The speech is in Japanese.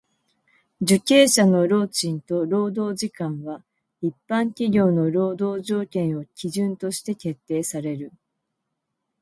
受刑者の労賃と労働時間は一般企業の労働条件を基準として決定される。